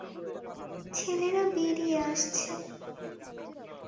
ছেলেরা বেরিয়ে আসছে।